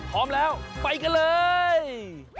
พร้อมแล้วไปกันเลย